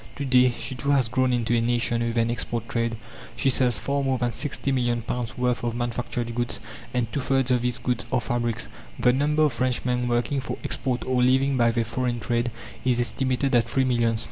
To day she too has grown into a nation with an export trade. She sells far more than sixty million pounds' worth of manufactured goods, and two thirds of these goods are fabrics. The number of Frenchmen working for export or living by their foreign trade, is estimated at three millions.